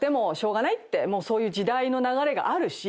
そういう時代の流れがあるし。